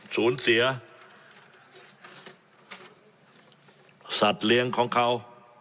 สูญเสียสัตว์เลี้ยงของเขา